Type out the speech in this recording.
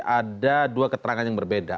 ada dua keterangan yang berbeda